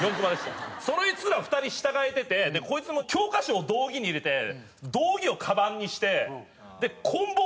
そいつら２人従えててこいつも教科書を胴着に入れて胴着をかばんにしてこん棒